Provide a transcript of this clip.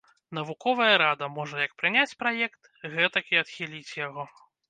Навуковая рада можа як прыняць праект, гэтак і адхіліць яго.